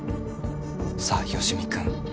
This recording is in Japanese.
「さあ吉見君」